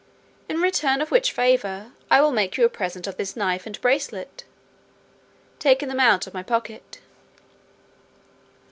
In return of which favour, I will make you a present of this knife and bracelet," taking them out of my pocket.